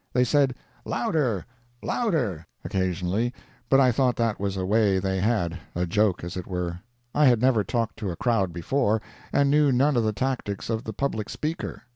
They said "Louder—louder," occasionally, but I thought that was a way they had—a joke, as it were. I had never talked to a crowd before, and knew none of the tactics of the public speaker.